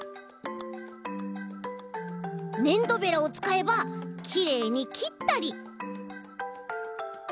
ねんどベラをつかえばきれいにきったり。